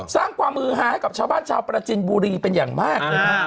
สร้างความมือฮาให้กับชาวบ้านชาวประจินบุรีเป็นอย่างมากเลย